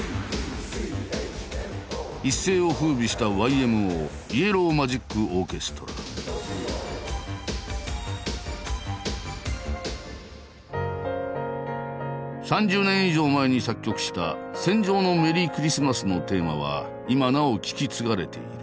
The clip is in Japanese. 一世を風靡した３０年以上前に作曲した「戦場のメリークリスマス」のテーマは今なお聴き継がれている。